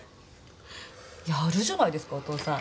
やるじゃないですかお父さん。